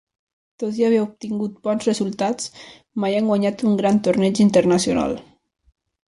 Tot i haver obtingut bons resultats, mai han guanyat un gran torneig internacional.